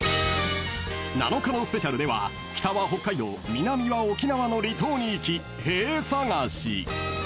［７日のスペシャルでは北は北海道南は沖縄の離島に行きへぇー探し］